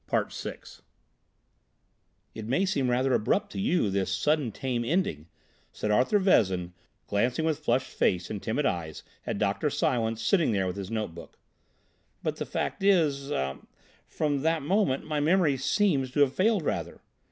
VI "It may seem rather abrupt to you, this sudden tame ending," said Arthur Vezin, glancing with flushed face and timid eyes at Dr. Silence sitting there with his notebook, "but the fact is—er—from that moment my memory seems to have failed rather.